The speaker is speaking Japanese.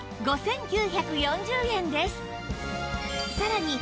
５９４０円です